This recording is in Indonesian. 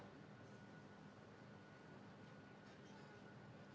iya silakan pak